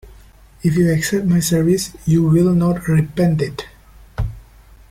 If you accept my service, you will not repent it.